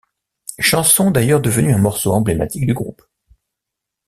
Chanson d'ailleurs devenue un morceau emblématique du groupe.